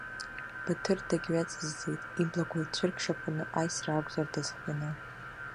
Баҭыр дагьҩаҵыззеит, иблақәа цәырқшаԥаны, аисра акәзар дазхианы.